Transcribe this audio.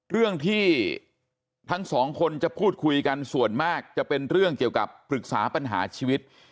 เรื่องที่ทั้งสองคนจะพูดคุยกันส่วนมากจะเป็นเรื่องเกี่ยวกับปรึกษาปัญหาชีวิต